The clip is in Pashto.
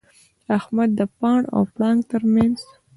احمد د پاڼ او پړانګ تر منځ دی.